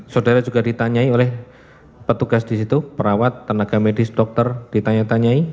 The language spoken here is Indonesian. saudara juga ditanyai oleh petugas di situ perawat tenaga medis dokter ditanya tanyai